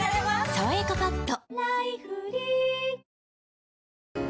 「さわやかパッド」